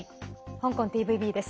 香港ＴＶＢです。